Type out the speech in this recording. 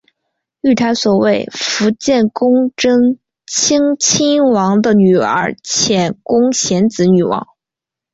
御台所为伏见宫贞清亲王的女儿浅宫显子女王。